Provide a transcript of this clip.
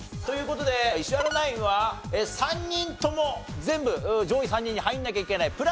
という事で石原ナインは３人とも全部上位３人に入らなきゃいけない。